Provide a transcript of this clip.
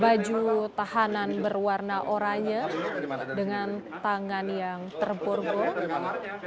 baju tahanan berwarna oranye dengan tangan yang terpurgo